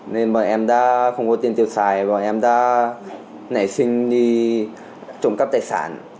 nên mà em đã không có tiền tiêu xài bọn em đã nảy sinh đi trộm cắp tài sản